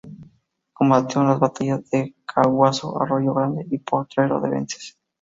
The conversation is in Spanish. Combatió en las batallas de Caaguazú, Arroyo Grande y Potrero de Vences.